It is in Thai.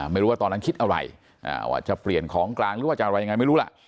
ไม่รู้ว่าตอนนั้นคิดอะไรอาจจะเปลี่ยนของกลางหรือว่าจะอะไรยังไงไม่รู้ล่ะ